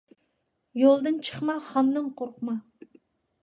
يولدىن چىقما، خاندىن قورقما.